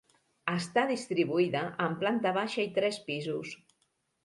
Està distribuïda en planta baixa i tres pisos.